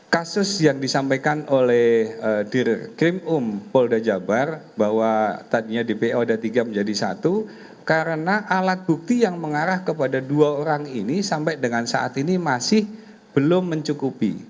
kasus yang disampaikan oleh dirkrim um polda jabar bahwa tadinya dpo ada tiga menjadi satu karena alat bukti yang mengarah kepada dua orang ini sampai dengan saat ini masih belum mencukupi